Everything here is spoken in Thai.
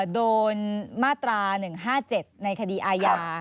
โดนมาตรา๑๕๗ในคดีอาญา